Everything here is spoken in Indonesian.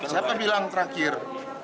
siapa bilang terakhir